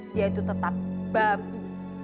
dia itu tetap babu